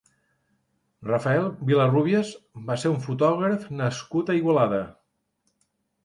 Rafael Vilarrubias va ser un fotògraf nascut a Igualada.